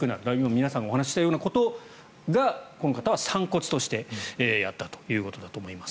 皆さんがお話したようなことがこの方は散骨としてやったということだと思います。